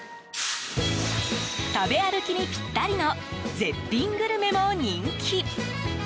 食べ歩きにぴったりの絶品グルメも人気。